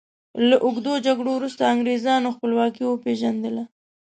له اوږدو جګړو وروسته انګریزانو خپلواکي وپيژندله.